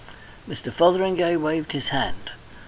Mr. Fotheringay waved his hand.